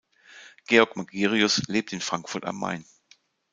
Georg Magirius lebt in Frankfurt am Main.